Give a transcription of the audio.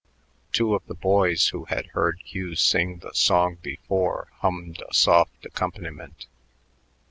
Two of the boys, who had heard Hugh sing the song before, hummed a soft accompaniment.